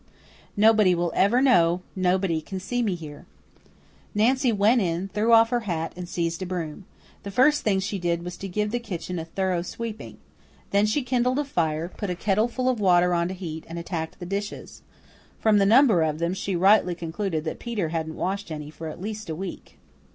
Nobody will ever know; nobody can see me here." Nancy went in, threw off her hat, and seized a broom. The first thing she did was to give the kitchen a thorough sweeping. Then she kindled a fire, put a kettle full of water on to heat, and attacked the dishes. From the number of them she rightly concluded that Peter hadn't washed any for at least a week.